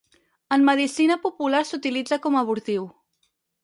En medicina popular s'utilitza com a abortiu.